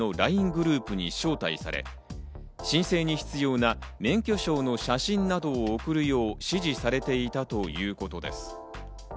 ＬＩＮＥグループに招待され、申請に必要な免許証の写真などを送るよう指示されていたということです。